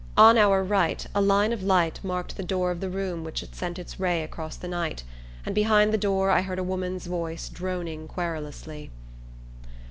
On our right a line of light marked the door of the room which had sent its ray across the night; and behind the door I heard a woman's voice droning querulously.